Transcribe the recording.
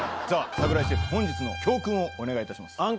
さぁ櫻井シェフ本日の教訓をお願いいたします。